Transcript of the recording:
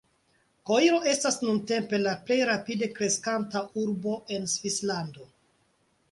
Koiro estas nuntempe la plej rapide kreskanta urbo en Svislando.